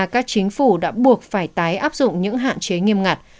các chính phủ đã buộc phải tái áp dụng những hạn chế nghiêm ngặt